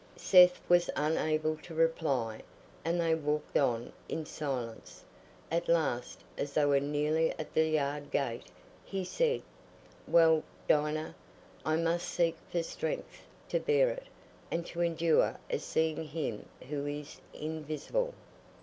Seth was unable to reply, and they walked on in silence. At last, as they were nearly at the yard gate, he said, "Well, Dinah, I must seek for strength to bear it, and to endure as seeing Him who is invisible.